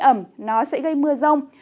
mây ẩm nó sẽ gây mưa rông